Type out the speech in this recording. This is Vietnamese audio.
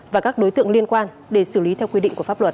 và các đối tượng liên quan để xử lý theo quy định của pháp luật